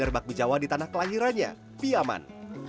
dan menjaga bakmi jawa di tanah kelahirannya piyaman